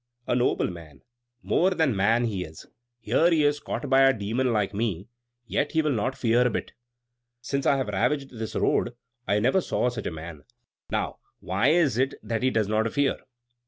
A noble man! More than man is he! Here he is, caught by a Demon like me; yet he will not fear a bit. Since I have ravaged this road, I never saw such a man. Now, why is it that he does not fear?"